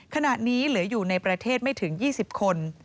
ขณะนี้เหลืออยู่ในประเทศไม่ถึง๒๐คน